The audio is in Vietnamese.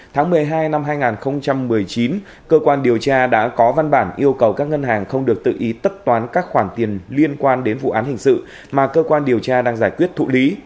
tháng một mươi hai năm hai nghìn một mươi chín cơ quan điều tra đã có văn bản yêu cầu các ngân hàng không được tự ý tất toán các khoản tiền liên quan đến vụ án hình sự mà cơ quan điều tra đang giải quyết thụ lý